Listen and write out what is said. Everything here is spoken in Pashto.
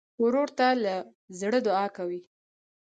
ورور ته له زړه دعا کوې.